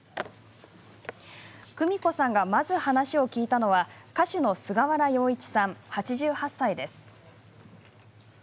クミコさんがまず話を聞いたのは歌手の菅原洋一さん、８８歳です。